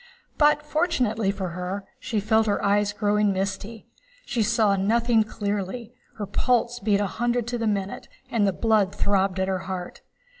But, fortunately for her, she felt her eyes growing misty, she saw nothing clearly, her pulse beat a hundred to the minute, and the blood throbbed at her heart.